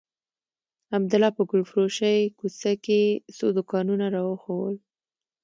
عبدالله په ګلفروشۍ کوڅه کښې څو دوکانونه راوښوول.